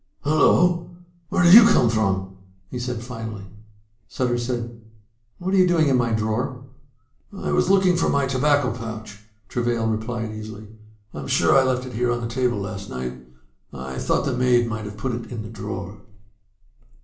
"Hullo. Where did you come from?" he said finally. Sutter said, "What are you doing in my drawer?" "I was looking for my tobacco pouch," Travail replied easily. "I'm sure I left it here on the table last night. I thought the maid might have put it in the drawer."